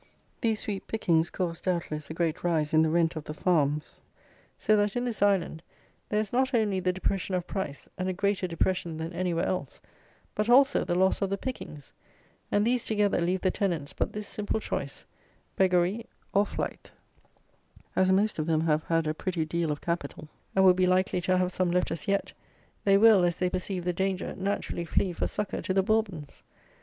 These sweet pickings, caused, doubtless, a great rise in the rent of the farms; so that, in this Island, there is not only the depression of price, and a greater depression than anywhere else, but also the loss of the pickings, and these together leave the tenants but this simple choice; beggary or flight; and as most of them have had a pretty deal of capital, and will be likely to have some left as yet, they will, as they perceive the danger, naturally flee for succour to the Bourbons.